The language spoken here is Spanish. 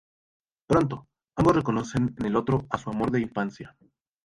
Pronto, ambos reconocen en el otro a su amor de infancia.